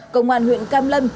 công an huyện cam lâm